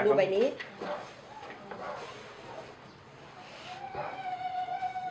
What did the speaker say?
แล้วบอกว่าไม่รู้นะ